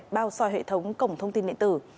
bao so hệ thống cổng thông tin điện tử